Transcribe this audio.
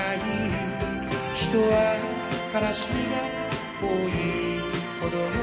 「人は悲しみが多いほど」